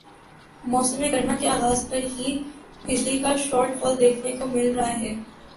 موسم گرما کے آغاز پر ہی بجلی کا شارٹ فال دیکھنے کو مل رہا ہے